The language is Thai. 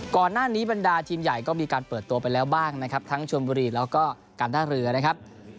ก่อนหน้านี้บรรดาทีมใหญ่ก็มีการเปิดตัวไปแล้วบ้างนะครับทั้งชวนบุรีแล้วก็การท่าเรือนะครับ